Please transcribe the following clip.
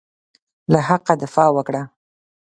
له حقه دفاع وکړه.